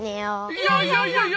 いやいやいやいや。